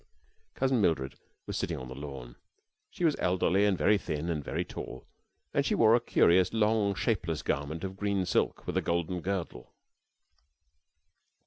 Cousin Mildred was sitting on the lawn. She was elderly and very thin and very tall, and she wore a curious, long, shapeless garment of green silk with a golden girdle.